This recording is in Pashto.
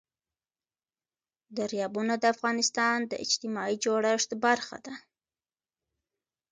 دریابونه د افغانستان د اجتماعي جوړښت برخه ده.